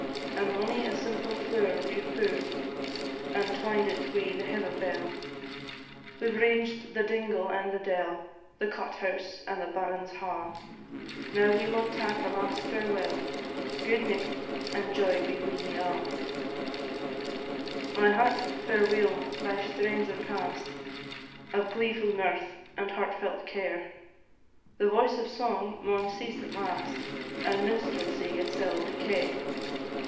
And mony a simple flower we 've pu'd, And twined it wi' the heather bell. We 've ranged the dingle and the dell, The cot house, and the baron's ha'; Now we maun tak a last farewell: Gude nicht, and joy be wi' you a'! My harp, fareweel! thy strains are past, Of gleefu' mirth, and heartfelt care; The voice of song maun cease at last, And minstrelsy itsel' decay.